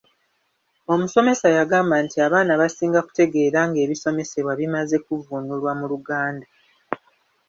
Omusomesa yagamba nti abaana basinga kutegeera nga ebisomesebwa bimaze kuvvuunulwa mu Luganda.